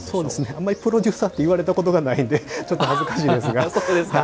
あまりプロデューサーって言われたことがないのでちょっと恥ずかしいですが。